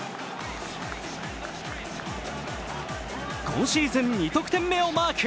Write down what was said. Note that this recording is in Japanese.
今シーズン２得点目をマーク。